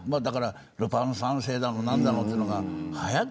ルパン三世だの何だのというのがはやって。